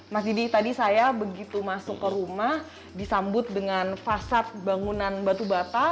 mas didi tadi saya begitu masuk ke rumah disambut dengan fasad bangunan batu bata